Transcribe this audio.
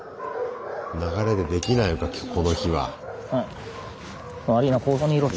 流れでできないのかこの日は。